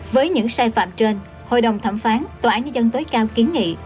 với những sai phạm trên hội đồng thẩm phán tòa án nhân dân tối cao kiến nghị